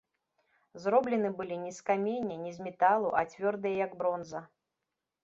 Зроблены былі не з каменя, не з металу, а цвёрдыя, як бронза.